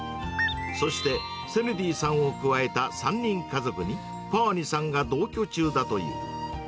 そして、セヌディさんを加えた３人家族に、パワニさんが同居中だという。